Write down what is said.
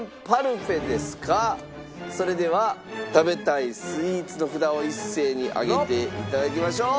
それでは食べたいスイーツの札を一斉に上げて頂きましょう。